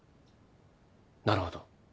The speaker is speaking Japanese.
なるほど。